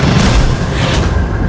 kau harus mati